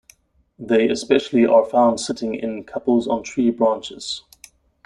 They especially are found sitting in couples on tree branches.